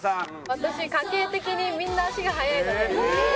私家系的にみんな足が速いので。